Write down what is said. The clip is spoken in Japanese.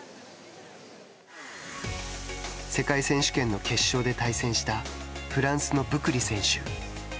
世界選手権の決勝で対戦したフランスのブクリ選手。